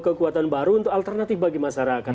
kekuatan baru untuk alternatif bagi masyarakat